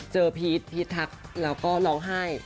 พีชพีชททักแล้วก็ร้องไห้